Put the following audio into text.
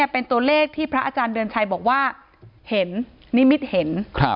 เป็นตัวเลขที่พระอาจารย์เดือนชัยบอกว่าเห็นนิมิตเห็น